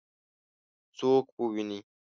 څوک وویني؟